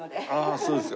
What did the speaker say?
そうですか。